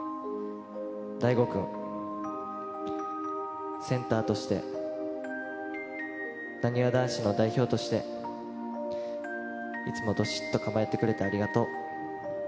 大吾君、センターとして、なにわ男子の代表として、いつもどしっと構えてくれてありがとう。